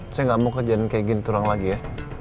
saya gak mau kerjaan kayak ginturang lagi ya